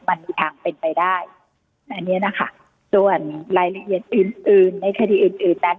มันมีทางเป็นไปได้อันนี้นะคะส่วนรายละเอียดอื่นอื่นในคดีอื่นอื่นนั้น